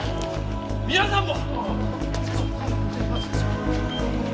皆さんも！